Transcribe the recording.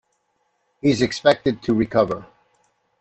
He's expected to recover.